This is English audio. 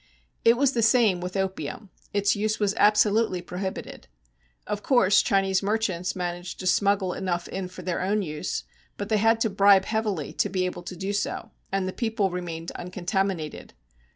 It was the same with opium: its use was absolutely prohibited. Of course, Chinese merchants managed to smuggle enough in for their own use, but they had to bribe heavily to be able to do so, and the people remained uncontaminated.